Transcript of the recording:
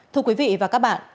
thưa quý vị và các bạn